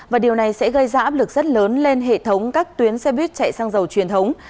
và điều này sẽ gây ra áp lực rất lớn lên hệ thống các tuyến xe buýt chạy sang dầu truyền thống